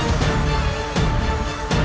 tidak ada yang dapat